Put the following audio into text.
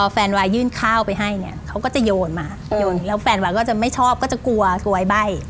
แฟนวาก็จะไม่ชอบก็จะกลัวไอ้ใบ้